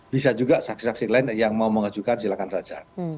bisa juga saksi saksi lain yang mau mengajukan silakan saja